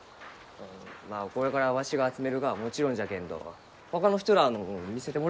まあこれからわしが集めるがはもちろんじゃけんどほかの人らあのも見せてもらわんと。